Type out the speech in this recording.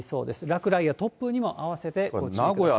落雷や突風にも併せてご注意ください。